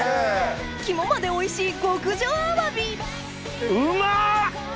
肝までおいしい極上アワビうまっ！